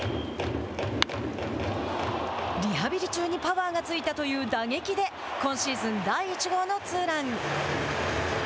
リハビリ中にパワーがついたという打撃で今シーズン第１号のツーラン。